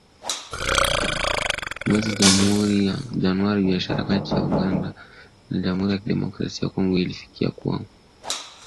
mwezi Januari, biashara kati ya Uganda na Jamhuri ya Kidemokrasia ya Kongo ilifikia kiwango cha juu.